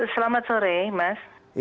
selamat sore mas